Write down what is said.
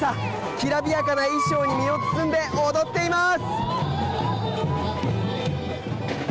きらびやかな衣装に身を包んで踊っています。